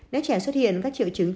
nếu trẻ xuất hiện các triệu chứng trị